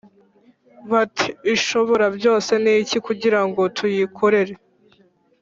bati ‘ishoborabyose ni iki kugira ngo tuyikorere’